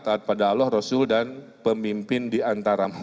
taat pada allah rasul dan pemimpin di antaramu